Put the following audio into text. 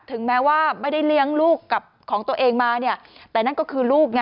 ถึงแม้ว่าไม่ได้เลี้ยงลูกกับของตัวเองมาเนี่ยแต่นั่นก็คือลูกไง